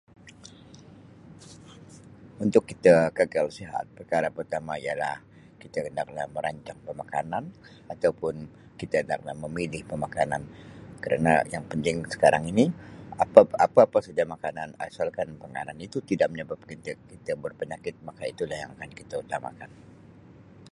Untuk kita kekal sihat perkara pertama ialah kita kena merancang pemakanan atau pun kita kena memilih pemakanan kerana yang penting sekarang ini apa-apa saja makanan asalkan pemakanan itu tidak menyebabkan kita berpenyakit maka itulah yang akan kita utamakan.